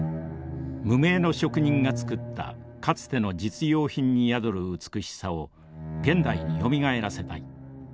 無名の職人が作ったかつての実用品に宿る美しさを現代によみがえらせたい。